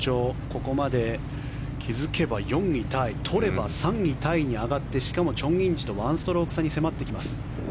ここまで気付けば４位タイ取れば３位タイに上がってしかもチョン・インジと１ストローク差に迫ってきます。